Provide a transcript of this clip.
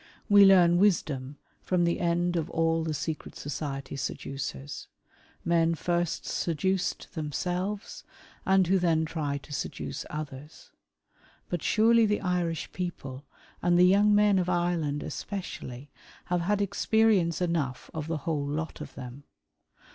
We learn wisdom from the end of all the secret society seducers — men first seduced themselves, and who then try to seduce others. But surely the Irish people and the young men of Ireland especially, have had experience enough of the wUole lot of them.